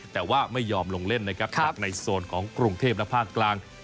แต่ว่าไม่ยอมลงเล่นนะครับจากในโซนของกรุงเทพและภาคกลาง